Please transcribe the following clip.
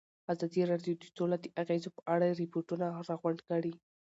ازادي راډیو د سوله د اغېزو په اړه ریپوټونه راغونډ کړي.